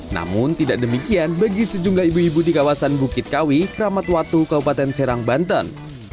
namun tidak demikian bagi sejumlah ibu ibu di kawasan bukit kawi kramatwatu kabupaten serang banten